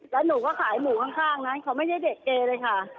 แล้วหนูก็ขายหมูข้างนั้นเขาไม่ใช่เด็กเกย์เลยค่ะ